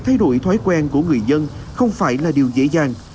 thay đổi thói quen của người dân không phải là điều dễ dàng